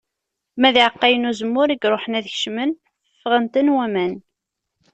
Ma d iεeqqayen n uzemmur i iruḥen ad kemcen, fγen-ten waman.